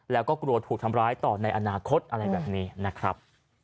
แล้วก็กลัวถูกทำร้ายต่อในอนาคตอะไรแบบนี้นะครับ